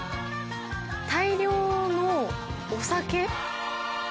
大量のお酒？